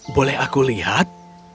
boleh aku lihat